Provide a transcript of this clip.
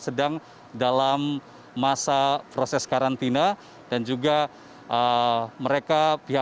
sedang dalam masa proses karantina dan juga mereka pihak